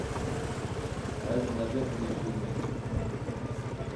Ez nebêhnijîme.